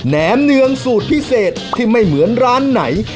มเนืองสูตรพิเศษที่ไม่เหมือนร้านไหน